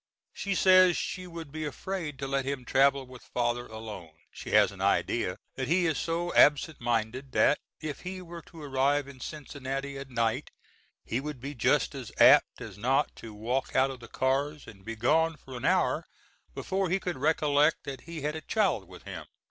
She says she would be afraid to let him travel with Father alone; she has an idea that he is so absent minded that if he were to arrive in Cincinnati at night he would be just as apt as not to walk out of the cars and be gone for an hour before he would recollect that he had a child with him.